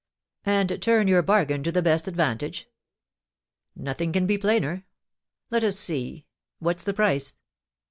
"And turn your bargain to the best advantage? Nothing can be plainer! Let us see, what's the price?"